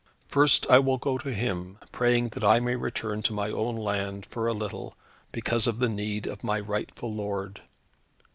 First, I will go to him, praying that I may return to my own land, for a little, because of the need of my rightful lord.